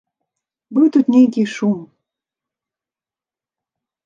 Быў тут нейкі шум.